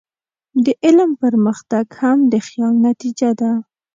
د علم پرمختګ هم د خیال نتیجه ده.